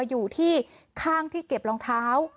อยู่ที่ข้างที่เก็บรองเท้า